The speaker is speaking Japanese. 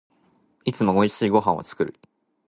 いつも美味しいご飯を作る